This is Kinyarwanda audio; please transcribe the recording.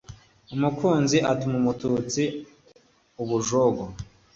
umukunzi atuma umututsi ubujogo